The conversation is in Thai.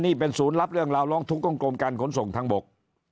นี่เป็นศูนย์รับเรื่องราวร้องทุกข์ของกรมการขนส่งทางบก